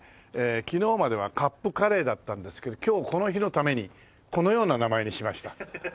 昨日まではカップカレーだったんですけど今日この日のためにこのような名前にしました。